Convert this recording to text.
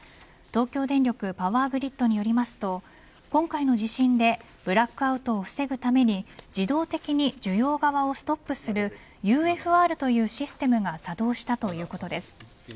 東京電力パワーグリッドによりますと今回の地震でブラックアウトを防ぐために自動的に需要側をストップするＵＦＲというシステムが作動したということです。